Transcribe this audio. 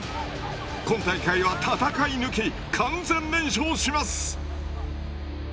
今大会は戦い抜き完全燃焼します！